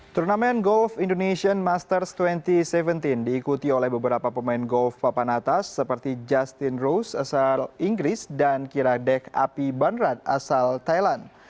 turnamen golf indonesian masters dua ribu tujuh belas diikuti oleh beberapa pemain golf papan atas seperti justin rose asal inggris dan kiradek api banrat asal thailand